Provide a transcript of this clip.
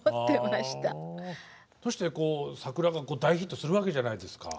そして「さくら」が大ヒットするわけじゃないですか。